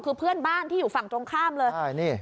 คือเพื่อนบ้านที่อยู่ฝั่งตรงข้ามเลย